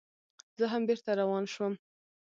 زه هم بېرته روان شوم.